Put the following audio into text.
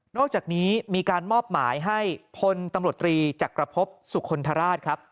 อกจากนี้มีการมอบหมายให้พลตำรวจตรีจักรพบสุคลทราชครับ